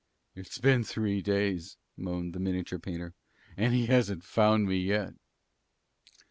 "It's been three days," moaned the miniature painter, "and he hasn't found me yet."